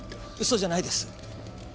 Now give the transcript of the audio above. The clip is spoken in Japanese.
嘘じゃないです！